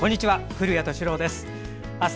古谷敏郎です。